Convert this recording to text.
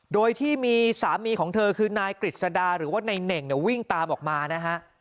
โดยที่มีสามีของเธอคือนายกฤษดาหรือว่านายเหน่งเนี่ยวิ่งตามออกมานะฮะ